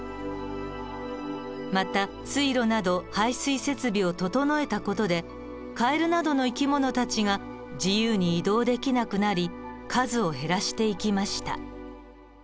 また水路など排水設備を整えた事でカエルなどの生き物たちが自由に移動できなくなり数を減らしていきました。